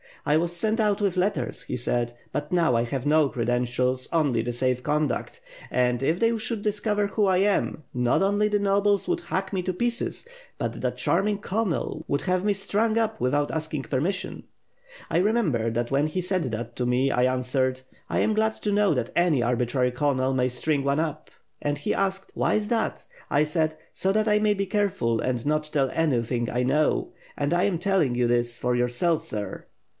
'I was sent out with letters,' he said Hbut now I have no credentials, only the safe conduct; and if they should discover who I am, not only the nobles would hack WITH FIRE AND SWORD. 639 me to pieces, but that charming colonel would have me strung up without asking permission/ I remember that when he said that to me I answered *I am glad to know that any arbitrary colonel may string one up' and he asked *Why is that?' 1 said, 'So that I may be careful and not tell any thing I know — and I am telling you this for yourself, sir.'